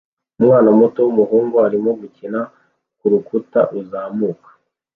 Umwana muto wumuhungu arimo gukina kurukuta ruzamuka